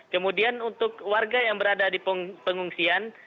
kemudian untuk warga yang berada di pengungsian